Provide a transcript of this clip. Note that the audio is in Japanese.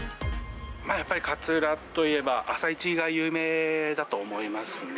やっぱり勝浦といえば、朝市が有名だと思いますね。